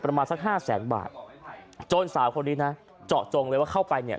ประมาณสักห้าแสนบาทจนสาวคนนี้นะเจาะจงเลยว่าเข้าไปเนี่ย